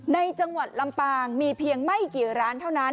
ในจังหวัดลำปางมีเพียงไม่กี่ร้านเท่านั้น